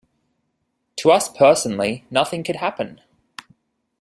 To us personally nothing could happen.